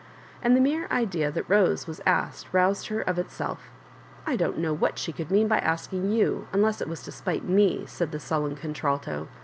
And the mere idea that Rose was asked roused her of itself. " I don^t know what she could mean by asking you, un less it was to spite me," said the sullen contralto.